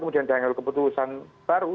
kemudian dia mengambil keputusan baru